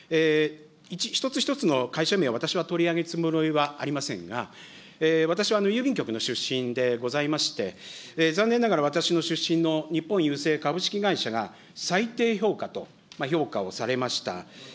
一つ一つの会社名、私は取り上げるつもりはありませんが、私は郵便局の出身でございまして、残念ながら、私の出身の日本郵政株式会社が最低評価と評価をされました。